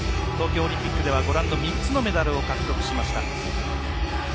東京オリンピックでは３つのメダルを獲得しました。